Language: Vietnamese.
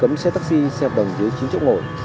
đừng cấm xe taxi xe đồng dưới chín chỗ ngồi